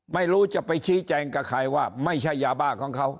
ไม่รู้จะไปชี้แจงกับใครว่าไม่ใช่ยาบ้าของเขา